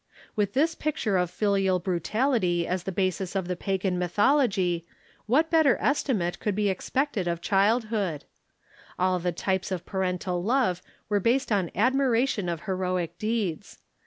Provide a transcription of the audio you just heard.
With this picture of filial brutality as the basis of the pagan mythology, Avhat better estimate could be expected of childhood? All the types of parental love were based on admiration of heroic deeds.